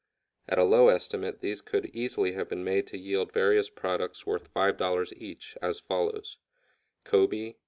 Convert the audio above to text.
At a low estimate these could easily have been made to yield various products worth $5 each, as follows: Kobe, $2.